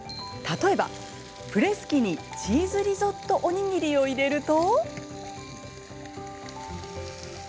例えばプレス機にチーズリゾットおにぎりを入れると。